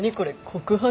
告白？